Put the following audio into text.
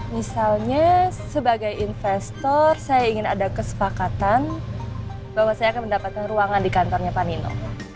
misalnya sebagai investor saya ingin ada kesepakatan bahwa saya akan mendapatkan ruangan di kantornya pak nino